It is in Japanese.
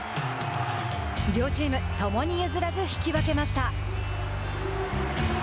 両チーム、共に譲らず引き分けました。